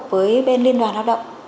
với bên liên đoàn lao động